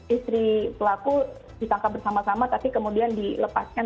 istri pelaku ditangkap bersama sama tapi kemudian dilepaskan